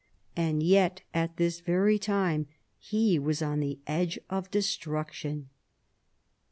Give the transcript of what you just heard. And yet, at this very time, he was on the edge of destruction.